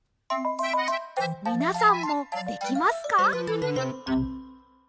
みなさんもできますか？